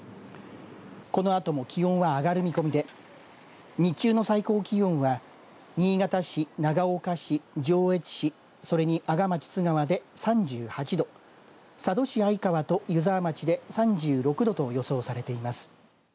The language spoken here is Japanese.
このあとも気温は上がる見込みで日中の最高気温は新潟市、長岡市、上越市それに阿賀町津川で３８度佐渡市相川と湯沢町で３６度と予想されています。